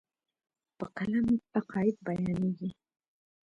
په قلم عقاید بیانېږي.